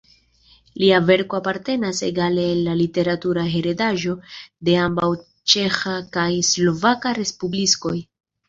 Lia verko apartenas egale al la literatura heredaĵo de ambaŭ ĉeĥa kaj slovaka respublikoj.